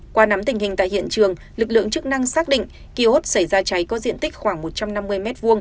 qua nắm tình hình tại hiện trường lực lượng chức năng xác định kiosk xảy ra cháy có diện tích khoảng một trăm năm mươi m hai